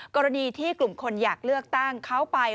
กรณีที่กลุ่มคนอยากเลือกตั้งเขาไป